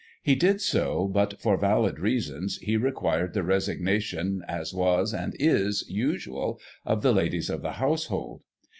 He did so, but, for valid reasons, he required the resignation, as was, and is, usual, of the ladies of the household.